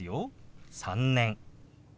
「３年」。